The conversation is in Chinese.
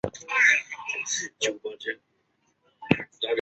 现在参加西班牙足球乙二级联赛。